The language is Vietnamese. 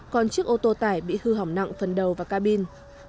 còn chiếc ô tô tải bị hư hỏng nặng phần đầu và ca bin